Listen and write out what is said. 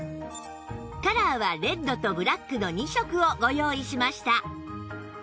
カラーはレッドとブラックの２色をご用意しました